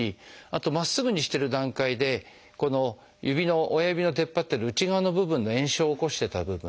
あとまっすぐにしてる段階でこの指の親指の出っ張ってる内側の部分の炎症を起こしてた部分。